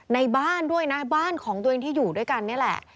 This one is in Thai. ในบ้านด้วยนะบ้านของตัวเองที่อยู่ด้วยกันนี่แหละ